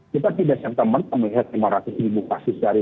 kita tidak sampai merta melihat lima ratus ribu kasus dari tiga